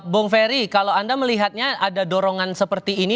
bung ferry kalau anda melihatnya ada dorongan seperti ini